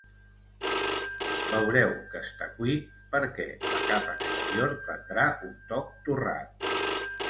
Veureu que està cuit perquè la capa exterior prendrà un toc torrat